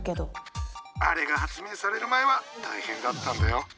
あれが発明される前は大変だったんだよ。